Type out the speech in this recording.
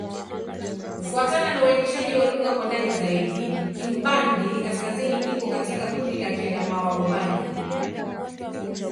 Kufuatana na uainishaji wa lugha kwa ndani zaidi, Kingbandi-Kaskazini iko katika kundi la Kiadamawa-Ubangi.